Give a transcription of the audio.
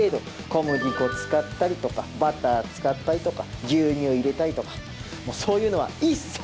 小麦粉使ったりとかバター使ったりとか牛乳を入れたりとかもうそういうのは一切ありません。